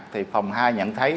thì phòng hai nhận thấy